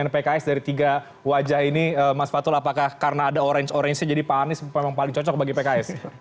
pks dari tiga wajah ini mas fatul apakah karena ada orange orange jadi pak anies memang paling cocok bagi pks